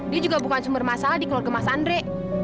dia juga bukan sumber masalah di keluarga mas andre